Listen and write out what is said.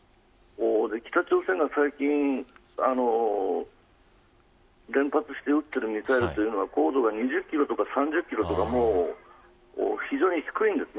北朝鮮が最近連発して撃っているミサイルは高度が２０キロとか３０キロとか非常に低いものです。